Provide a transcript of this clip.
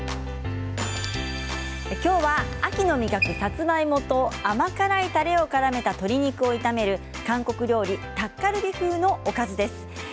秋の味覚さつまいもと甘辛いたれをからめた鶏肉を炒める韓国料理タッカルビ風のおかずです。